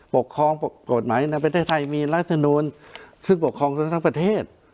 ปกครองกฎหมายในประเทศไทยมีรัฐมนูลซึ่งปกครองทั้งประเทศ